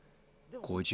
５０